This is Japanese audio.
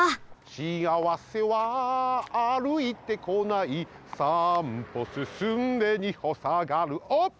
「しあわせは歩いてこない」「三歩進んで二歩さがる」おっ！